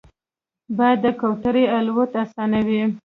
باد د کوترې الوت اسانوي